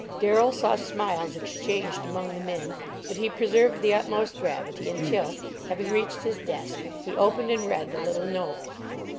Darrell saw smiles exchanged among the men, but he preserved the utmost gravity until, having reached his desk, he opened and read the little note.